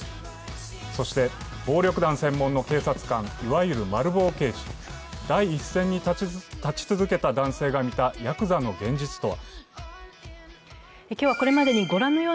そして、暴力団専門の警察官、いるマル暴刑事、第一線に立ち続けた男性が見たヤクザの現実とは。